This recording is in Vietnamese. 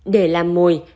để làm mồi